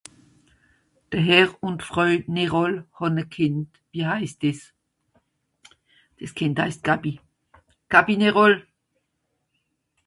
de herr ùn d'fräu Néroll hàn a Kìnd wie haisst des des Kìnd haisst Gabi Kabinetròll